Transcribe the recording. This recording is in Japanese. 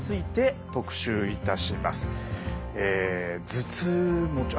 頭痛持ち